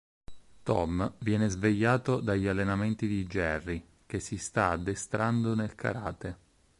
Tom viene svegliato dagli allenamenti di Jerry, che si sta addestrando nel karate.